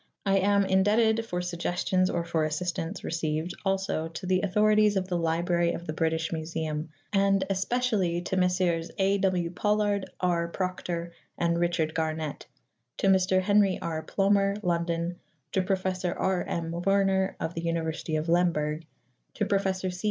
I am indebted for suggestions or for assistance received also to the authorities of the Library of the British Museum, and especially to Messrs. A. W. Pollard, R. Proctor, and Richard Garnett ; to Mr. Henry R. Plomer, London ; to Professor R. M. Werner of the University of Lemberg ; to Professor C.